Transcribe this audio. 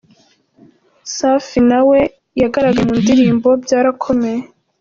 Safi nawe yagaragaye mu ndirimbo “Byarakomeye”.